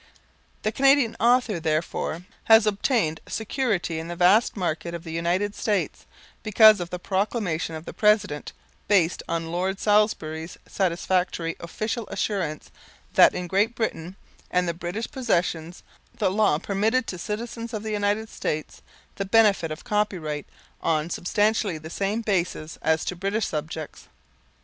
The Canadian author, therefore, has obtained security in the vast market of the United States, because of the proclamation of the President, based on Lord Salisbury's satisfactory official assurance, that in Great Britain and the British possessions, the law permitted to citizens of the United States the benefit of copyright on substantially the same basis as to British subjects.